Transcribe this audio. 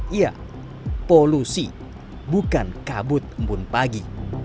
iya polusi bukan kabut embun pagi